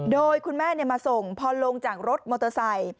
โดยคุณแม่มาส่งพอลงจากรถมอเตอร์ไซค์